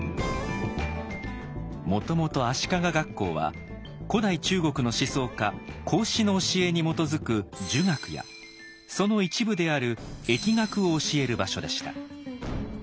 もともと足利学校は古代中国の思想家孔子の教えに基づく「儒学」やその一部である易学を教える場所でした。